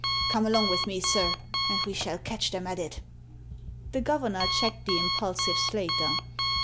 Come along with me, sir, and we shall catch them at it" The governor checked the impulsive Slater.